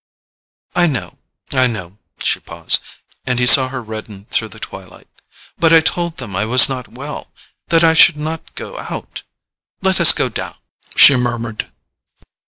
"I know—I know——" She paused, and he saw her redden through the twilight. "But I told them I was not well—that I should not go out. Let us go down!" she murmured.